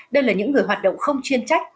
đây là những người hoạt động không chuyên trách